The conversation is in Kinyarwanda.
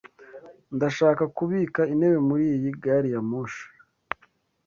Ndashaka kubika intebe muri iyi gari ya moshi.